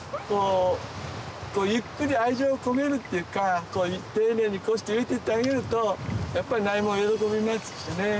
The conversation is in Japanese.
ゆっくり愛情を込めるっていうか丁寧にこうして植えてってあげるとやっぱり苗も喜びますしね。